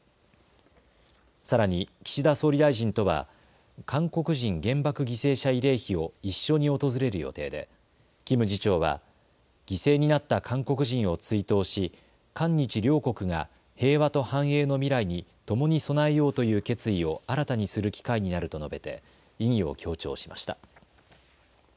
さらに岸田総理大臣とは韓国人原爆犠牲者慰霊碑を一緒に訪れる予定で、キム次長は犠牲になった韓国人を追悼し韓日両国が平和と繁栄の未来にともに備えようという決意を新たにする機会になると述べて意義を強調しました。